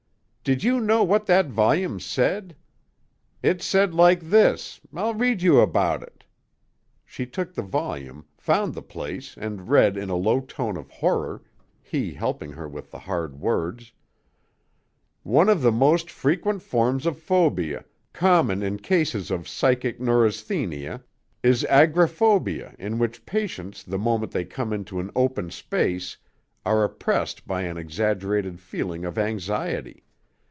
"Did you know what that volume said? It said like this I'll read you about it " She took the volume, found the place and read in a low tone of horror, he helping her with the hard words: "'One of the most frequent forms of phobia, common in cases of psychic neurasthenia, is agrophobia in which patients the moment they come into an open space are oppressed by an exaggerated feeling of anxiety.